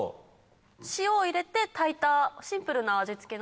塩を入れて炊いたシンプルな味付けなんですけど。